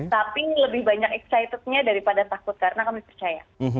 tapi lebih banyak excitednya daripada takut karena kami percaya